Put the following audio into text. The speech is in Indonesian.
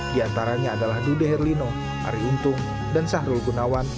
di antaranya adalah dude herlino ari untung dan sahrul gunawan